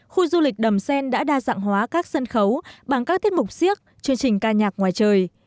khu du lịch đầm sen đã đa dạng hóa các sân khấu bằng các tiết mục siếc chương trình ca nhạc ngoài trời